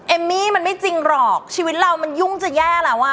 เอมมี่มันไม่จริงหรอกชีวิตเรามันยุ่งจะแย่แล้วอ่ะ